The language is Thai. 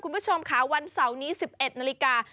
คุณผู้ชมค่ะวันเสาร์นี้๑๑นาฬิกา